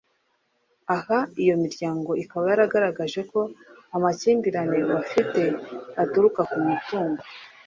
aha iyo miryango ikaba yaragaragaje ko amakimbiranye bafite aturuka ku mitungo